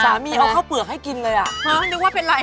เอาข้าวเปลือกให้กินเลยอ่ะเฮ้ยนึกว่าเป็นไร